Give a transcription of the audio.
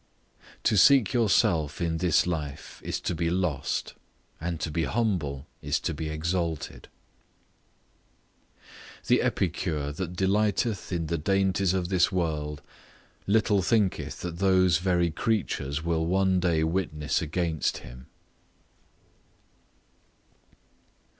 To seek yourself in this life is to be lost; and to be humble is to be exalted. The epicure that delighteth in the dainties of this world, little thinketh that those very creatures will one day witness against him.